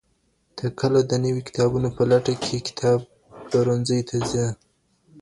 ته کله د نويو کتابونو په لټه کي کتاب پلورنځي ته ځې؟